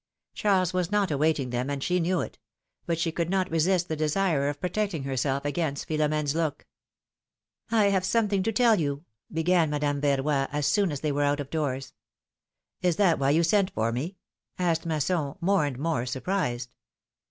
Charles was not awaiting them, and she knew it ; but she could not resist the desire of protecting herself against Philomene's look. I have something to tell you," began Madame Verroy, as soon as they were out of doors. ^^Is that why you sent for me?" asked Masson, more and more surprised.